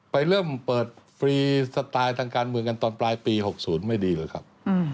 เริ่มเปิดฟรีสไตล์ทางการเมืองกันตอนปลายปี๖๐ไม่ดีเลยครับ